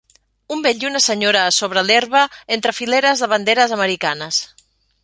Un vell i una senyora a sobre l'herba entre fileres de banderes americanes.